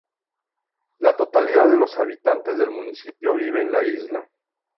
La totalidad de los habitantes del municipio viven en la isla.